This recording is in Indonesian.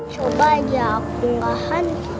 coba aja aku ngahan